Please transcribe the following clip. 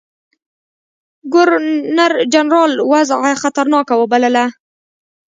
ګورنرجنرال وضع خطرناکه وبلله.